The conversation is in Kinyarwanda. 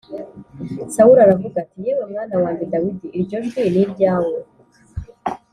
Sawuli aravuga ati “Yewe mwana wanjye Dawidi, iryo jwi ni iryawe?”